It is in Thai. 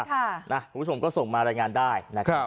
คุณผู้ชมก็ส่งมารายงานได้นะครับ